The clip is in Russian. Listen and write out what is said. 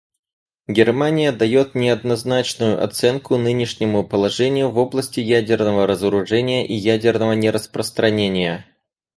Германия дает неоднозначную оценку нынешнему положению в области ядерного разоружения и ядерного нераспространения.